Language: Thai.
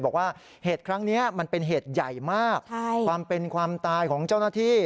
บอกว่าเหตุครั้งนี้มันเป็นเหตุใหญ่มากความเป็นความตายของเจ้าหน้าที่